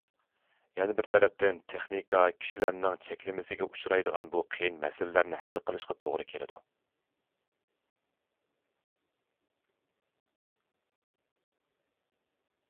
يەنە بىر تەرەپتىن، تېخنىكا كىشىلەرنىڭ چەكلىمىسىگە ئۇچرايدىغان بۇ قىيىن مەسىلىلەرنى ھەل قىلىشقا توغرا كېلىدۇ.